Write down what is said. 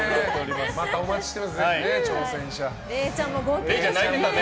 またお待ちしておりますのでね。